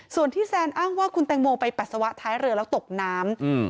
ส่วนที่แซนอ้างว่าคุณแตงโมไปปัสสาวะท้ายเรือแล้วตกน้ำ